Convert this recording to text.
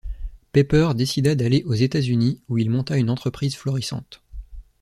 Pepper décida d’aller aux États-Unis, où il monta une entreprise florissante.